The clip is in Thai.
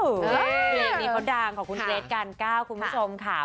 เมื่อกี้เขาด่างขอขอบคุณเอดการ์นเกล้าคุณผู้ชมค่ะ